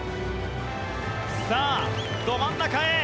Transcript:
さあ、ど真ん中へ。